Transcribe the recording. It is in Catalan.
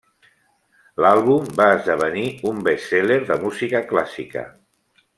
L'àlbum va esdevenir un best-seller de música clàssica.